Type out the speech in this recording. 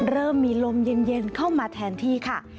เริ่มมีลมเย็นเข้ามาแทนที่ค่ะ